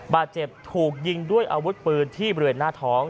บาดเจ็บถูกยิงด้วยอาวุธปืนที่บริเวณหน้าท้อง